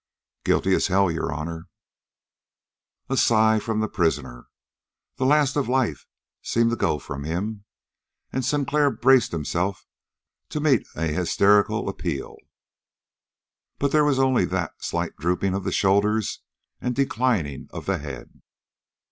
"Guilty as hell, your honor!" A sigh from the prisoner. The last of life seemed to go from him, and Sinclair braced himself to meet a hysterical appeal. But there was only that slight drooping of the shoulders and declining of the head.